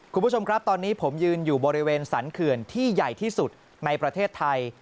คุณผู้ชมครับตอนนี้ผมยืนอยู่บริเวณสรรเขื่อนที่ใหญ่ที่สุดในประเทศไทย